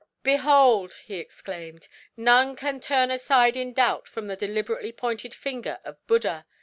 "Behold!" he exclaimed, "none can turn aside in doubt from the deliberately pointed finger of Buddha.